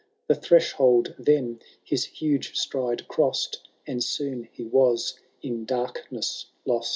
The threshold then his huge stride ciost, And soon he was in darkness lost.